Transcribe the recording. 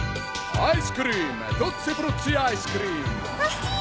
アイスクリーム。